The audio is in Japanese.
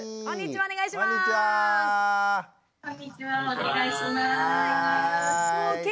お願いします。